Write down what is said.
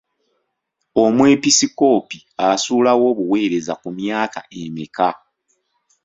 Omwepiskoopi asuulawo obuweereza ku myaka emeka?